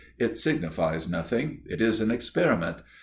It signifies nothing. It is an experiment.